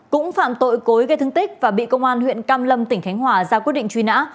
cũng phạm tội cối gây thương tích và bị công an huyện cam lâm tỉnh khánh hòa ra quyết định truy nã